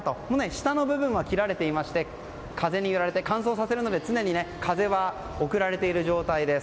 下の部分は切られていまして風に揺られて、乾燥させるので常に風が送られている状態です。